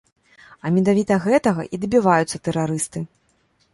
А менавіта гэтага і дабіваюцца тэрарысты.